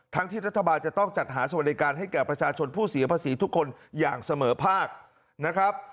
ที่รัฐบาลจะต้องจัดหาสวัสดิการให้แก่ประชาชนผู้เสียภาษีทุกคนอย่างเสมอภาคนะครับ